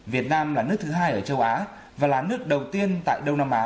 việt nam là nước thứ hai ở châu á và là nước đầu tiên tại đông nam á